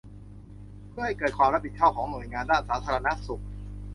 เพื่อให้เกิดความรับผิดชอบของหน่วยงานด้านสาธารณสุข